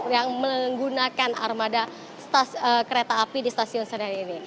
yang menggunakan armada kereta api di stasiun senen ini